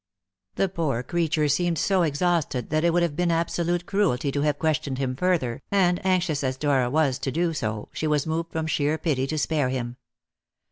The poor creature seemed so exhausted that it would have been absolute cruelty to have questioned him further, and, anxious as Dora was to do so, she was moved from sheer pity to spare him.